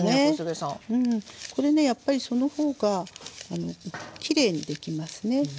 これねやっぱりその方がきれいにできますね。